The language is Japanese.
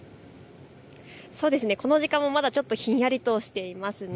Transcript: この時間もまだひんやりとしています。